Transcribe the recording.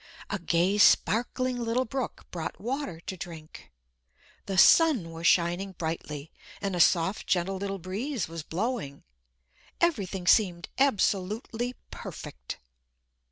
A gay sparkling little brook brought water to drink. The sun was shining brightly and a soft gentle little breeze was blowing. Everything seemed absolutely perfect.